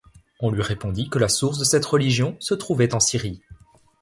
On lui répondit que la source de cette religion se trouvait en Syrie.